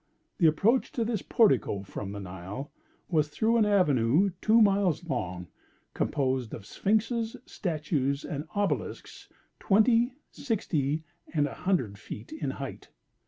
The approach to this portico, from the Nile, was through an avenue two miles long, composed of sphynxes, statues, and obelisks, twenty, sixty, and a hundred feet in height.